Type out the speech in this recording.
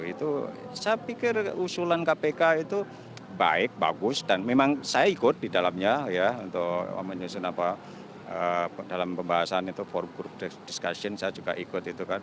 itu saya pikir usulan kpk itu baik bagus dan memang saya ikut di dalamnya ya untuk menyusun apa dalam pembahasan itu for grup discussion saya juga ikut itu kan